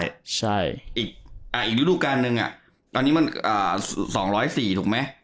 อีกฤดูกการนึงอ่ะอันนี้มัน๒๔๐ถูกไหม